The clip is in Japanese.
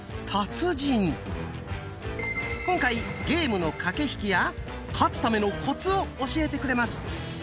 今回ゲームの駆け引きや勝つためのコツを教えてくれます。